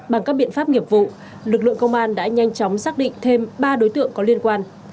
bằng các biện pháp nghiệp vụ lực lượng công an đã nhanh chóng xác định thêm ba đối tượng có liên quan